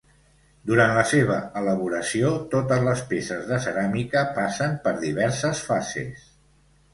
Durant la seva elaboració, totes les peces de ceràmica passen per diverses fases.